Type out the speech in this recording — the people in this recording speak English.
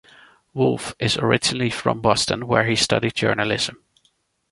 Wolf is originally from Boston where he studied journalism.